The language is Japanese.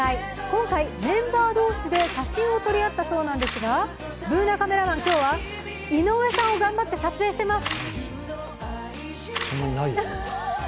今回、メンバー同士で写真を撮り合ったそうなんですがＢｏｏｎａカメラマン、今日は井上さんを頑張って撮影しています。